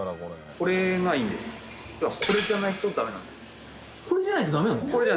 これじゃないとダメなんです。